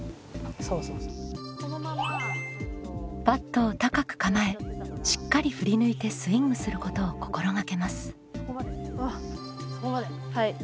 バットを高く構えしっかり振り抜いてスイングすることを心がけます。